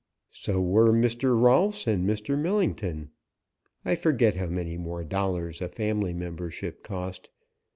So were Mr. Rolfs and Mr. Millington. I forget how many more dollars a family membership cost.